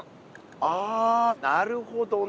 ああなるほどね。